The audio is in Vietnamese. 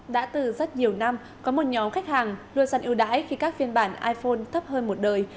đã từ rất nhiều năm có một nhóm khách hàng luôn sẵn ưu đãi khi các phiên bản iphone thấp hơn một đời